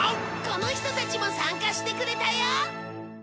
この人たちも参加してくれたよ！